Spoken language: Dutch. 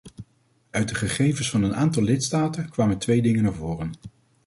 Uit de gegevens van een aantal lidstaten kwamen twee dingen naar voren.